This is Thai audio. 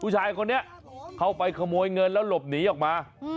ผู้ชายคนนี้เข้าไปขโมยเงินแล้วหลบหนีออกมา